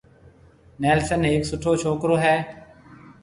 نيلسن ھيَََڪ سُٺو ڇوڪرو ھيََََ